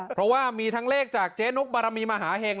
เพราะว่ามีทั้งเลขจากเจ๊นุกบารมีมหาเห็ง